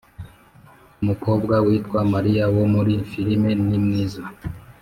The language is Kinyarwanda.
Umukobwa witwa Maria wo muri filime ni mwiza